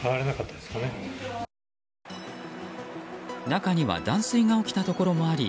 中には断水が起きたところもあり